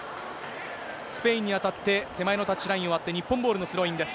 スペインに当たって、手前のタッチラインを割って、日本ボールのスローインです。